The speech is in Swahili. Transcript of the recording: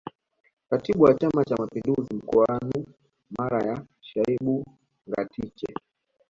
Katibu wa Chama cha Mapinduzi mkoanu Mara ni Shaibu Ngatiche